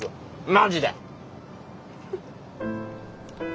マジで！